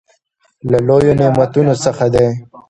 له لويو نعمتونو څخه دى.